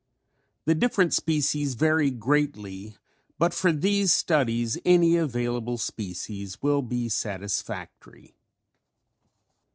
The different species vary greatly but for these studies any available species will be satisfactory.